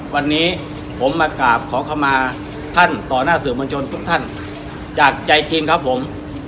วันนี้ผมมากราบขอเข้ามาท่านต่อหน้าสื่อมวลชนทุกท่านจากใจจริงครับผม